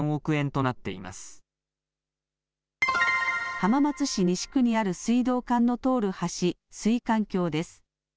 浜松市西区にある水道管の通る橋水管橋です。